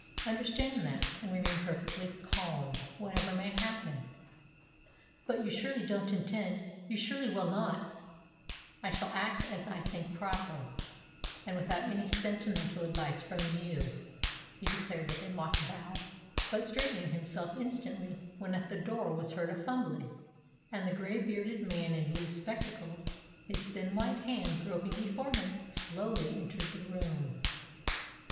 Understand that, and remain perfectly calm, whatever may happen." "But you surely don't intend you surely will not " "I shall act as I think proper, and without any sentimental advice from you," he declared with a mock bow, but straightening himself instantly when at the door was heard a fumbling, and the gray bearded man in blue spectacles, his thin white hand groping before him, slowly entered the room.